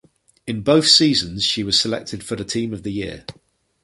In both seasons she was selected for the Team of the Year.